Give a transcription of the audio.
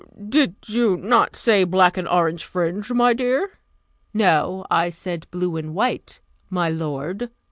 "Did you not say black and orange fringe, my dear?" "No. I said blue and white, my lord."